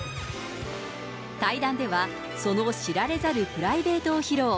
対談ではその知られざるプライベートを披露。